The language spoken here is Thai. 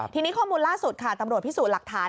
ทีนี้ข้อมูลล่าสุดค่ะตำรวจพิสูจน์หลักฐาน